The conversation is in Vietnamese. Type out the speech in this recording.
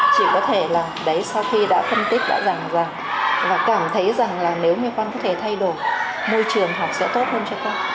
chị có thể là đấy sau khi đã phân tích đã rằng rằng và cảm thấy rằng là nếu như con có thể thay đổi môi trường học sẽ tốt hơn cho con